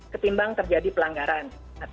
ketimbang terjadi pelanggaran